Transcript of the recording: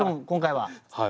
はい。